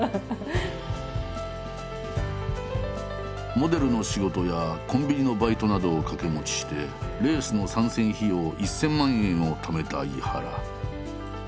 モデルの仕事やコンビニのバイトなどを掛け持ちしてレースの参戦費用１，０００万円をためた井原。